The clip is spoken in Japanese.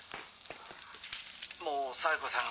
もう冴子さん